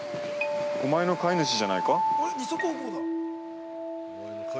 お前の飼い主じゃないか。